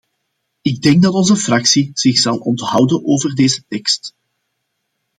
Ik denk dat onze fractie zich zal onthouden over deze tekst.